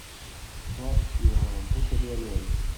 Toi, tu auras un beau cadeau à Noël.